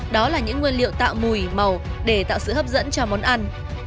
đó là những nguyên liệu tạo mùi màu để tạo sự hấp dẫn cho món ăn